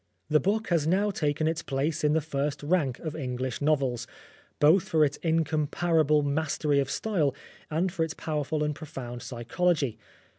The book has now taken its place in the first rank of English novels, both for its incomparable mastery of style and 266 Oscar Wilde for its powerful and profound psychology.